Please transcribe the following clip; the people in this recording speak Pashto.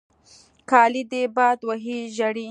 کالې دې باد وهي ژړې.